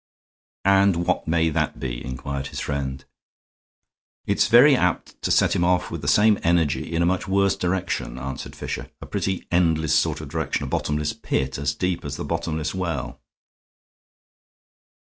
"And what may that be?" inquired his friend. "It's very apt to set him off with the same energy in a much worse direction," answered Fisher; "a pretty endless sort of direction, a bottomless pit as deep as the bottomless well."